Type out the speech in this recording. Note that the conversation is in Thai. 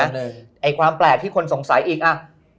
ไอ้ความแปลกที่คนสงสัยอีกอ่ะ